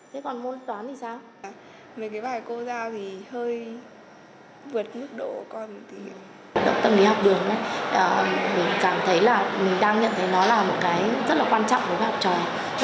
động tâm lý học đường mình cảm thấy là mình đang nhận thấy nó là một cái rất là quan trọng của các học trò